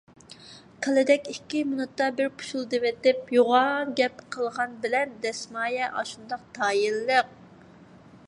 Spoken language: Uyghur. كالىدەك ئىككى مېنۇتتا بىر پۇشۇلدىۋېتىپ يوغان گەپ قىلغان بىلەن دەسمايە ئاشۇنداق تايىنلىق.